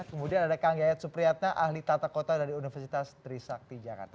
kemudian ada kang yayat supriyatna ahli tata kota dari universitas trisakti jakarta